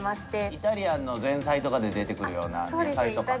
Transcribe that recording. イタリアンの前菜とかで出てくるような野菜とか？